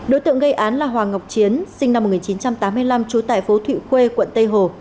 đối tượng gây án là hoàng ngọc chiến sinh năm một nghìn chín trăm tám mươi năm trú tại phố thụy khuê quận tây hồ